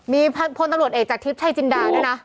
มีพตรไอจากทิบใจจินดาด้วยนะ